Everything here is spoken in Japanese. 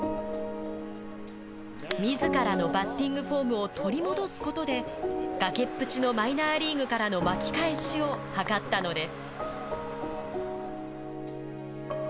みずからのバッティングフォームを取り戻すことで崖っぷちのマイナーリーグからの巻き返しを図ったのです。